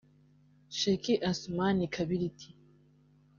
Sheikh Assoumani Kabiriti